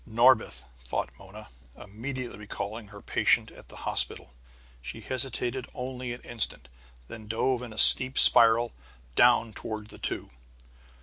"Norbith!" thought Mona, immediately recalling her patient at the hospital. She hesitated only an instant, then dove in a steep spiral down toward the two.